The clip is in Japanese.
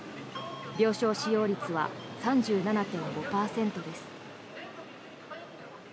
病床使用率は３７．５％です。